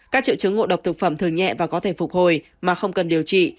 các triệu chứng ngộ độc thực phẩm thường nhẹ và có thể phục hồi mà không cần điều trị